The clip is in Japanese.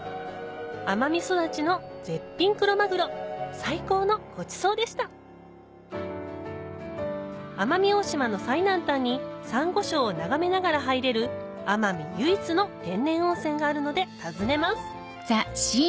奄美育ちの絶品クロマグロ最高のごちそうでした奄美大島の最南端にサンゴ礁を眺めながら入れる奄美唯一の天然温泉があるので訪ねます